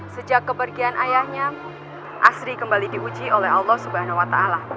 sejak kepergian ayahnya asri kembali diuji oleh allah swt